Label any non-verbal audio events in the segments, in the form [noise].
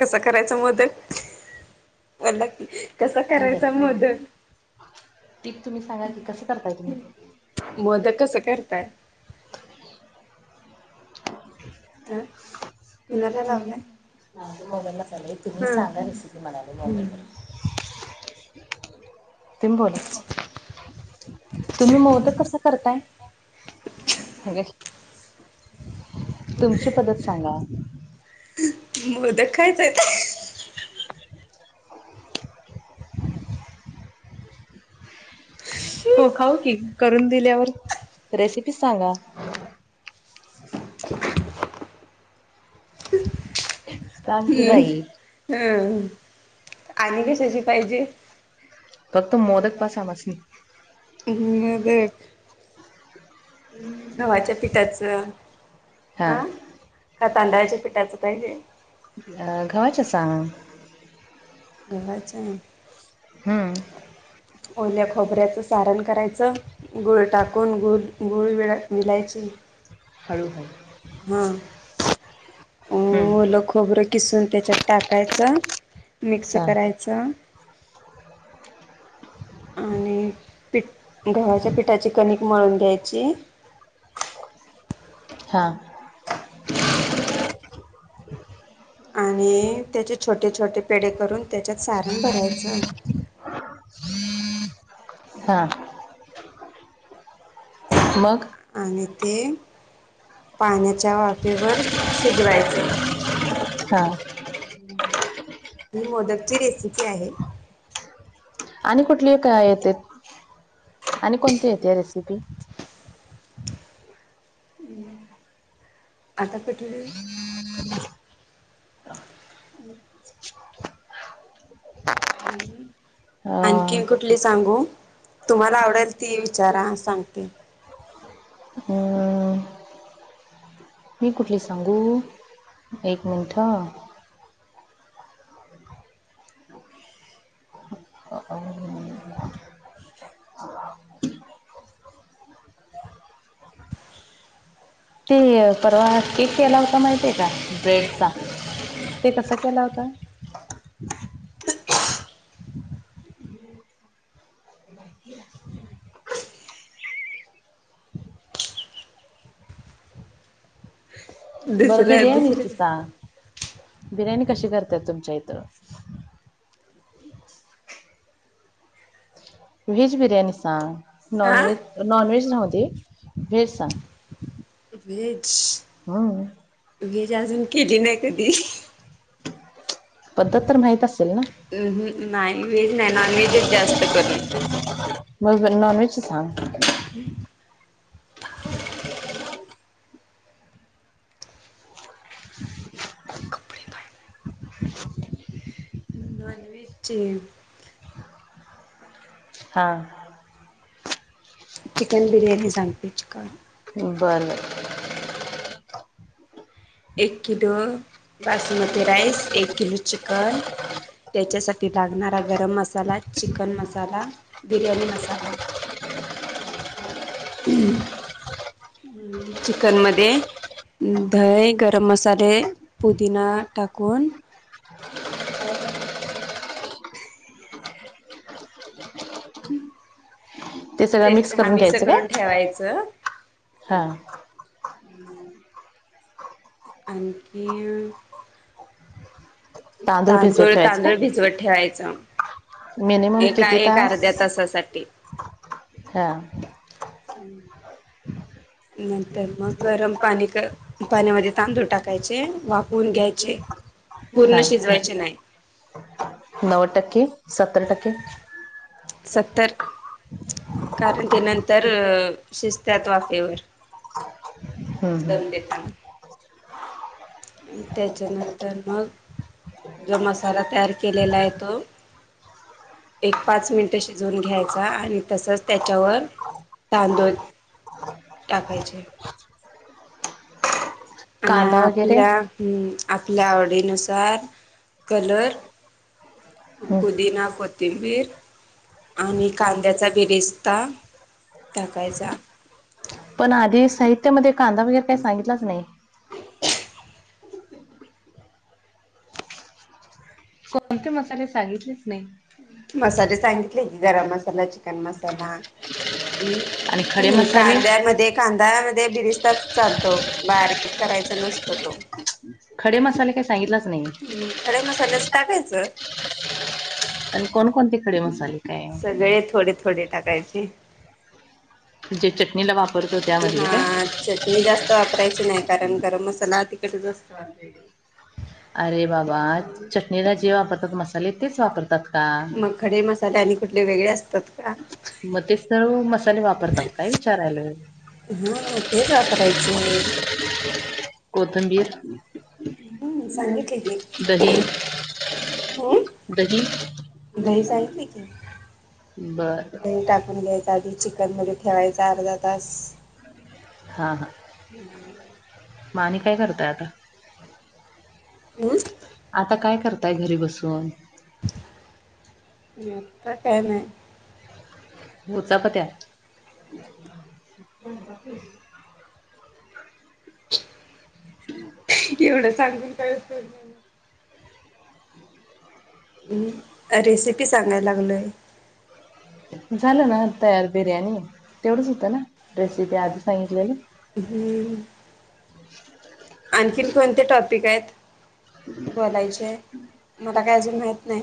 कस करायचा मोदक? म्हणल कस करायचा मोदक. टीप तुम्ही सांगा की कसं करताय तुम्ही मोदक कसं करताय? अ [unintelligible] माझ्या मोबाईलला झालंय, तुम्ही सांगा रेसिपी म्हणाले तुम्ही बोला की [inaudible] तुम्ही मोदक कस करताय? तुमची पद्धत सांगा. मोदक खायचंय हो खाऊ की करून दिल्यावर, रेसिपी सांगा. [inaudible] सांग की बाई. ह आणि कशाची पाहिजे फक्त मोदक बास आम्हासनी. मोदक. गव्हाच्या पिठाचं [unintelligible] आ? का तांदळाच्या पिठाचं पाहिजे? अ- गव्हाच्या सांग. गव्हाच्या हम्म. ओल्या खोबऱ्याचं सारण करायचं. गोळ टाकून ग गोळळा मिलायचे. ह [inaudible] हा. अ- हम्म ओलं खोबरं किसून त्याच्यात टाकायचं, मिक्स हा करायचं [inaudible] आणि पीठ गव्हाच्या पिठाचे कणिक मळून घ्यायची हा. आणि त्याचे छोटे छोटे पेढ करून त्याच्यात सारण भरायचं. हा मग आणि ते पाण्याच्या वाफेवर शिगलायचं. हा ही आणि म मोदकची रेसिपी आहे आणि कुठली काय येते आणि कोणती येते या रेसिपी हम्म आता कठली. [inaudible] [unintelligible] हम् अ आणखीन कुठली सांगू तुम्हाला आवडेल ती विचारा सांगते. हम्म. मी कुठली सांगू एक मिनिट. [unintelligible] [inaudible] ते परवा केक केला होता माहितीय का ब्रेडचा. ते कसं केला होता. [unintelligible] बरं दुसऱ्या बिर्याणीच दुसऱ्या सांग बिर्याणी कशी करतेात तुमच्या इथं. व्हेज बिर्याणी सां हा नॉनवहेज नॉनवहेज राह ती वहेज सांग. व्हेज हम. व्हेज अजून केली नाही कधी पद्धत तर माहत असेल ना. नाही व्हेज नाही नॉन व्हेजच जास्त करून. मज नॉन वहेजच सांग.. [unintelligible] नॉनव्हेजचे [unintelligible] हा. चिकन बिर्याणी सांगते चिकन बर. एक किलो बासमती राईस एक किलो चिकन त्याच्यासाठी लागणारा गरम मसाला चिकन मसाला बिर्याणी मसाला. नता. आणि चिकन म दय गरम मसाले पुदीिना टाकून. हो. ते सगळं मिक्स ह करून मस घ्यायचं काय करून ठेवायचं. हा. आणखी. भिजवत तांदूळ ठेवायचं तांदूळ भिजवत ठेवायचं. मिनिमम एका किती एक तास अर्ध्या तासासाठी. हा. हम्म. नंतर मग गरम पाणी क वापरून घ्यायचे हा. पूर्ण शिजवायचे नाही. नव्वद टक्के सत्तर टक्के. सत्तर कारण ते नंतर शिजत्यात वाफेवर. हम्म दमते हम्म काना. आणि त्याच्यानंतर मग जो मसाला तयार केलेला आहे तो. एक पाच मिनिट शिजवून घ्यायचा आणि तसच त्याच्यावर. तांदूळ चालेल. टाकायचे. आणि कांदा वगैरे आपल्या हम्म आपल्या आवडीनुसार कलर पुदीना कोथिंबीर आणि कांद्याचा बीरिस्ता टाकायचा. पण आधी साहित्यामध्ये कांदा वगैरे काही सांगितलाच नाही. कोणते मसाले सांगितलेच नाही. हम्म मसाले सांगितले की गरम मसाला चिकन मसाला आणि खडे मसाले कांद्यामध्ये कांदामध्ये बिरिस्ताच चालतो बारीक करायचा नसतो तो. खडे मसाले काही सांगितलाच नाही. खडे मसाल्याच टाकायचं. पण कोणकोणते खडे मसाले काय. सगळे थोडे थोडे टाकायचे. जे चटणीला वापरतो त्यामधले काय हा चटणी जास्त वापरायची नाही. कारण गरम मसाला तिकडे असतो. अरे बाबा असतो चटणीला जे वापरतात मसा साले तेच वापरतात का? मग खडे मसाले आणि कुठले वेगळे असतात का मग तेच सर मसाले वापरतात काय विचारालोय. हा तेच वापरायचे. कोथंबीर हम्म सांगितली दही कधी. दही दही सांगितली की. बरं बरं. दही टाकून घ्यायचा आधी चिकन मध्ये ठेवायचा अर्धा तास. हा हा म आणि काय करताय आता? हं? आता काय करताय घरी बसून? आणि आता काय नाही [inaudible] एवढं सांगून काय उपयोग नाही. [inaudible] हम्म रेसिपी सांगाय लागलोय. झालं ना तयार बिर्याणी तेवढंच होतं ना रेसिपी आधी सांगितलेली. हम्म. [inaudible] आणखीन कोणते टॉपिक आहेत बोलायचे मला काय अजून [unintelligible] माहित नाही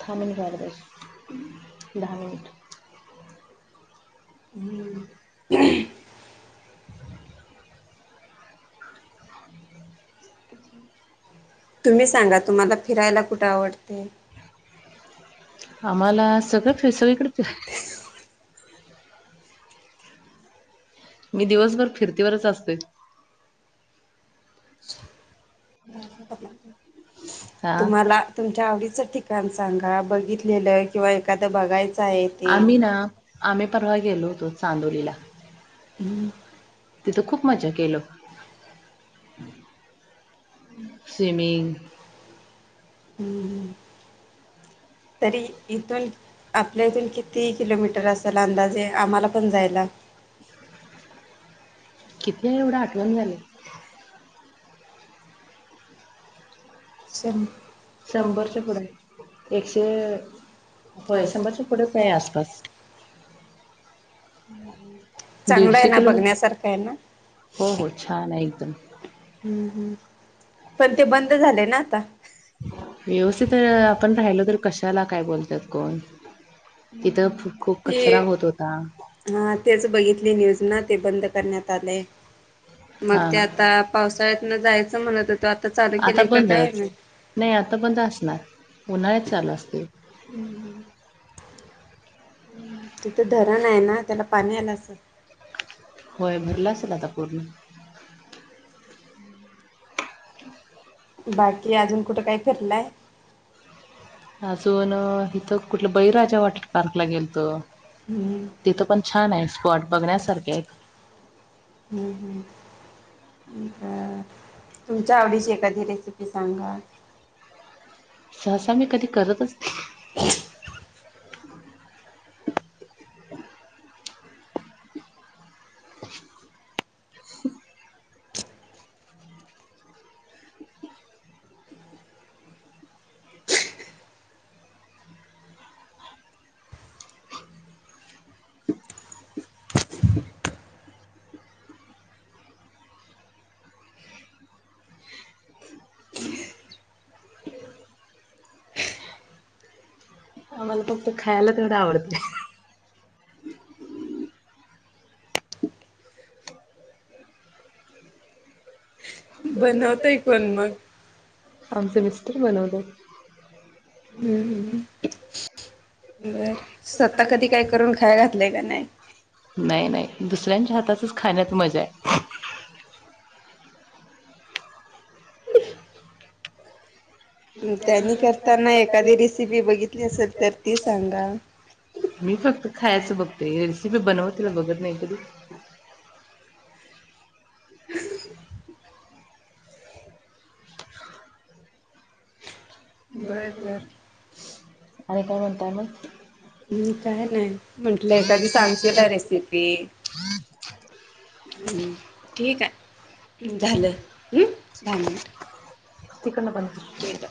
था मिनिटं व्हायला पाहिजे दहा मिनिटं. हम्म. तुम्ही सांगा तुम्हाला फिरायला कुट आवडते. आम्हाला [unintelligible] सगळीकड फिराय मी दिवसभर फिरतीवरच असतोय. भाष हा [unintelligible] तुम्हाला तुमच्या आवडीच ठिकाण सांगा बघीतलेलंय किंवा एकादं बगायचंय. आम्ही ना? आम्ही परवा गेलो होतो चांदोरीला. हं. तिथं खूप मजा केलं. स्विमिंग- हम्म हम्म. तरी इथून आपल्या इथून किती किलोमीटर असायल अंदाजे आम्हाला पण जायला? किती एवड आठवणा झालय. शं शंबरच्या पुडाय एकशे होय. शंभरच्या पुढच हाय आसपास. चांगलं आहे दीडशे ना किलोमीटर? [unintelligible] हो हो. छान आहे एकदम. हम्म हम्म. पण ते बंद झालय ना आता? व्यवस्तिथ हे आपण राहिलो तर कशाला काय बोलतात कोण? तिथ खूप ते कचरा होत होता. हा. तेच बगीतली न्यूज ना ते बंद करण्यात आलय. मग हा ते आता पावसाळ्यातन जायचं म्हणत होत्या- आता बंदच. नाइ आता बंद असणार, उन्हाळ्यात चालू असतय. हम्म. तिथ धरण आहे ना? त्याला पाणी आलं असल. होय. भरल असेल आता पूर्ण. [inaudible] बाकी अजून कुठं काय फिरलाय? अजून, हिथ कुट बळीराजा वॉटर पार्कला गेलतो. हम्म तिथं पण छानय स्पॉट बघण्यासारकेय. हम्म हम्म. बर [unintelligible] तुमच्या आवडीची एखादी रेसिपी सांगा. सहसा मी कधी करतच नाही. [unintelligible] [unintelligible] आम्हाला फक्त खायला तेवढं आवडतय. बनवतय कोण मग? आमच मिस्टर बनवतात. हम्म बर स्वतः कधी काय करून खाय घातलंय का नाही [inaudible] नाइ नाइ. दुसऱ्यांच्या हाताचच खाण्यात मजाय. त्यांनी करताना एखादी रेसिपी बघितली असेल तर ती सांगा. मी फक्त खायचं बघते. रेसिपी बनवतेला बघत नाही कधी. बर बर आणि काय म्हणताय मग? काय नाही. म्हंटलं एखादी सांगशीला रेसिपी. हम्म. ठीक आहे झालं. हम्म दहा मिनिट. तिकडनं बंद कर. केलं